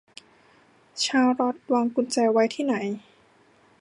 ชาลอตวางกุญแจไว้ที่ไหน